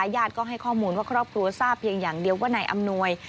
ญาติก็ให้ข้อมูลว่าครอบครัวทราบเพียงอย่างเดียวว่านายอำนวย